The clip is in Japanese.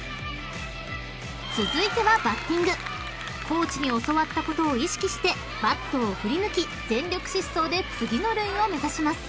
［コーチに教わったことを意識してバットを振り抜き全力疾走で次の塁を目指します］